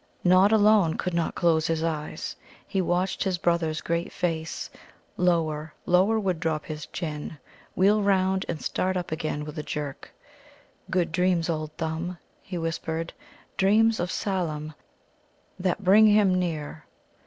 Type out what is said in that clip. Nod alone could not close his eyes. He watched his brother's great face; lower, lower would drop his chin, wheel round, and start up again with a jerk. "Good dreams, old Thumb," he whispered; "dreams of Salem that bring him near!"